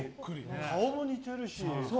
顔も似てるし。